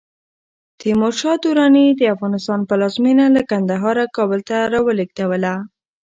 تیمور شاه دراني د افغانستان پلازمېنه له کندهاره کابل ته راولېږدوله.